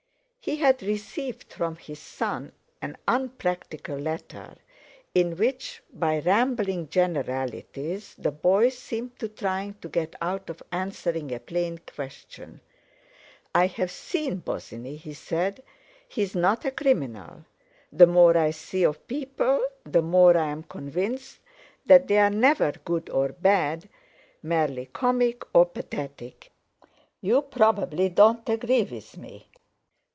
He had received from his son an unpractical letter, in which by rambling generalities the boy seemed trying to get out of answering a plain question. "I've seen Bosinney," he said; "he is not a criminal. The more I see of people the more I am convinced that they are never good or bad—merely comic, or pathetic. You probably don't agree with me!"